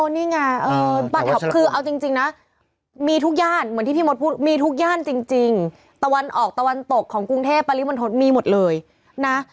นี่ไงคือเอาจริงนะมีทุกย่านเหมือนที่พี่มดพูดมีทุกย่านจริงตะวันออกตะวันตกของกรุงเทพปริมณฑลมีหมดเลยนะ